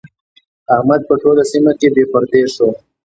احمد په ټوله سيمه کې بې پردې شو.